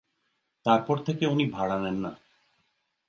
তারপর থেকে উনি ভাড়া নেন না।